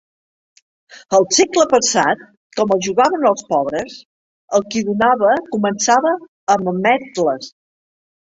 El segle passat, com el jugaven els pobres, el qui donava començava amb ametles.